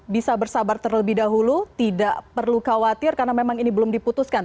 bisa bersabar terlebih dahulu tidak perlu khawatir karena memang ini belum diputuskan